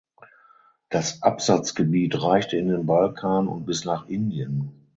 Das Absatzgebiet reichte in den Balkan und bis nach Indien.